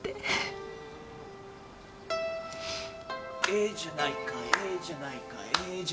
「ええじゃないかええじゃないかええじゃないか」